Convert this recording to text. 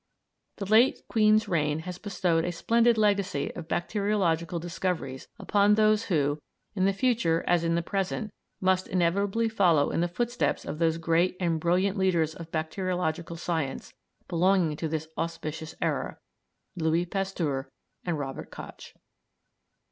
The late Queen's reign has bestowed a splendid legacy of bacteriological discoveries upon those who, in the future as in the present, must inevitably follow in the footsteps of those great and brilliant leaders of bacteriological science belonging to this auspicious era, Louis Pasteur and Robert Koch.